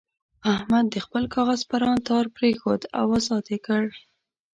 احمد د خپل کاغذ پران تار پرېښود او ازاد یې کړ.